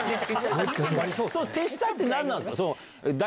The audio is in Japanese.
手下って何なんですか？